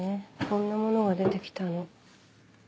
こんな物が出て来たの。